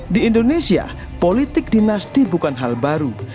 di indonesia politik dinasti bukan hal baru